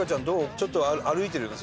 ちょっと歩いてるよね？